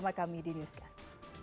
bersama kami di newscast